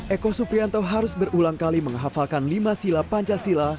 eko suprianto harus berulang kali menghafalkan lima sila pancasila